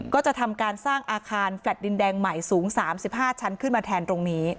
ก็จะทำการสร้างอาคารแฟลต์ดินแดงใหม่สูง๓๕ชั้นขึ้นมาแทนตรงนี้